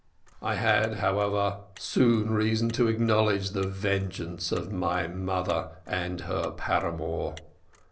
"I had, however, soon reason to acknowledge the vengeance of my mother and her paramour.